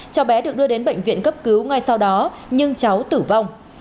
cháu bé được đưa đến bệnh viện cấp cứu ngay sau đó nhưng cháu tử vong